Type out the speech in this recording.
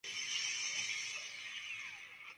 Tiene la arena tostada oscura y grano de tamaño mediano.